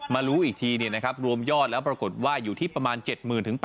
มารู้อีกทีเนี่ยนะครับรวมยอดแล้วปรากฏว่าอยู่ที่ประมาณเจ็ดหมื่นถึง